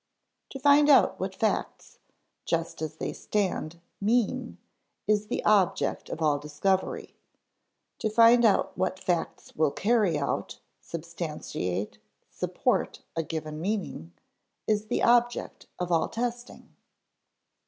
8). To find out what facts, just as they stand, mean, is the object of all discovery; to find out what facts will carry out, substantiate, support a given meaning, is the object of all testing.